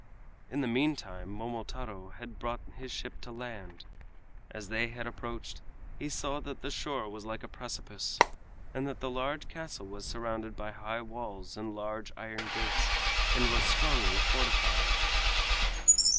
In the meantime, Momotaro had brought his ship to land. As they had approached, he saw that the shore was like a precipice, and that the large castle was surrounded by high walls and large iron gates and was strongly fortified.